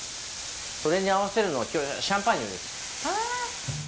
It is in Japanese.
それに合わせるのは今日はシャンパーニュです。